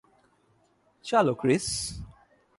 চলো, ক্রিস।